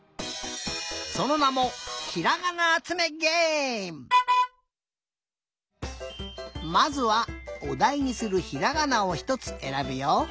そのなもまずはおだいにするひらがなをひとつえらぶよ。